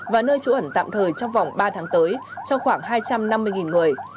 và nơi chủ ẩn tạm thời trong vòng ba tháng tới cho khoảng hai trăm năm mươi người